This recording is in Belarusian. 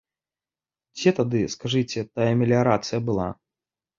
Дзе тады, скажыце, тая меліярацыя была?!